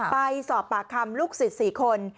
ไปสอบปากคำลูกศิษย์๔คน